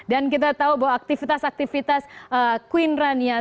dan kita tahu bahwa aktivitas aktivitas queen rania selalu diberikan